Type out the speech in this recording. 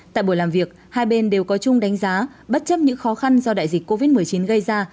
tại buổi làm việc hai bên đều có chung đánh giá bất chấp những khó khăn do đại dịch covid một mươi chín gây ra